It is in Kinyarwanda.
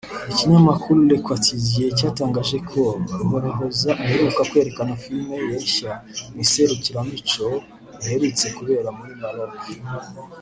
Ikinyamakuru Le Quotidien cyatangaje ko Ruhorahoza aheruka kwerekana filime ye nshya mu iserukiramuco riherutse kubera muri Maroc